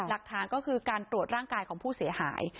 หลักฐานก็คือการตรวจร่างกายของผู้เสียหาย